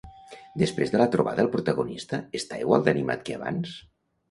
Després de la trobada el protagonista està igual d'animat que abans?